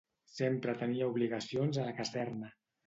Sempre tenia obligacions a la caserna.